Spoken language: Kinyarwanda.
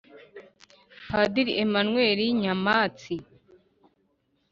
padiri emmanuel nyampatsi